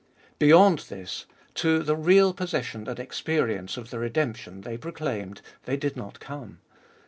Beyond this, to the real possession and experience of the redemption they proclaimed, they did not come.